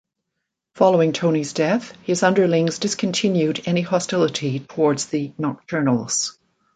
Following Tony's death, his underlings discontinued any hostility towards the Nocturnals.